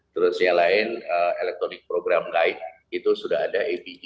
terus yang lain elektronik program lain itu sudah ada apg